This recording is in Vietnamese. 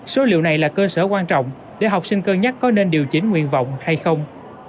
số liệu này là cơ sở quan trọng để học sinh cân nhắc có nên điều chỉnh nguyện vọng hay không